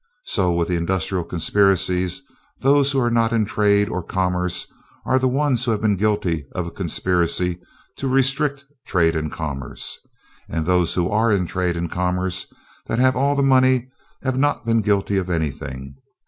So with the industrial conspiracies, those who are not in trade or commerce are the ones who have been guilty of a conspiracy to restrict trade and commerce, and those who are in trade and commerce that have all the money have not been guilty of anything.